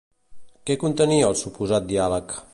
Què contenia el suposat diàleg?